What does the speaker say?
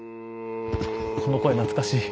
この声懐かしい。